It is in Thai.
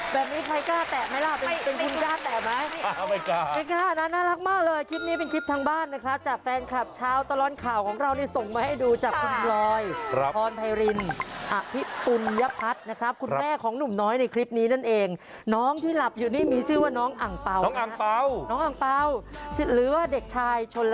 แบบนี้ใครกล้าแตะไหมล่ะเป็นคุณกล้าแตะไหมไม่กล้าไม่กล้าน่ารักมากเลยคลิปนี้เป็นคลิปทางบ้านนะครับจากแฟนคลับชาวตลอดข่าวของเรานี่ส่งมาให้ดูจากคุณลอยครับพรไพรินอ่ะพี่ตุ๋นยพัดนะครับครับคุณแม่ของหนุ่มน้อยในคลิปนี้นั่นเองน้องที่หลับอยู่นี่มีชื่อว่าน้องอังเป้าน้องอังเป้าน้